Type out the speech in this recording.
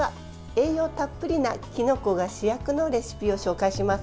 栄養たっぷりなきのこが主役のレシピを紹介します。